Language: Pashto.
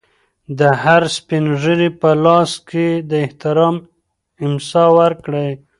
د هر سپین ږیري په لاس کې د احترام امسا ورکړئ.